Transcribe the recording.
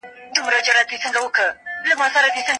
د ککړو خوړو خوړل د بدن معافیت کمزوری کوي.